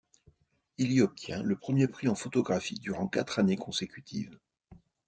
Il y obtient le premier prix en photographie durant quatre années consécutives.